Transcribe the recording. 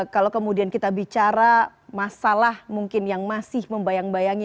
kalau kemudian kita bicara masalah mungkin yang masih membayang bayangi